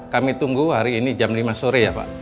kami tunggu hari ini jam lima sore ya pak